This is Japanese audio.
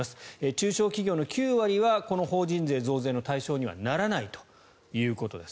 中小企業の９割はこの法人税増税の対象にはならないということです。